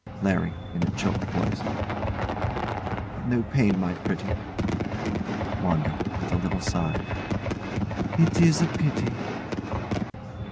LARRY. [In a choked voice] No pain, my pretty. WANDA. [With a little sigh] It is a pity.